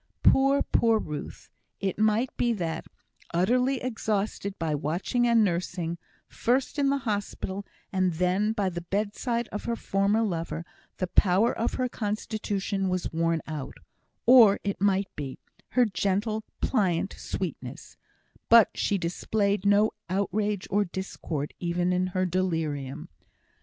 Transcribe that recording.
Poor, poor Ruth! It might be that, utterly exhausted by watching and nursing, first in the hospital, and then by the bedside of her former lover, the power of her constitution was worn out; or, it might be, her gentle, pliant sweetness, but she displayed no outrage or discord even in her delirium.